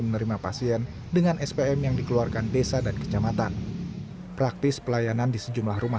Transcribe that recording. menerima pasien dengan spm yang dikeluarkan desa dan kecamatan praktis pelayanan di sejumlah rumah